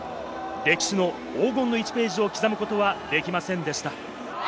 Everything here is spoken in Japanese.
歴史の黄金の１ページを刻むことはできませんでした。